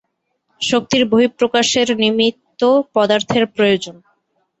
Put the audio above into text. শক্তির বহিঃপ্রকাশের নিমিত্ত পদার্থের প্রয়োজন।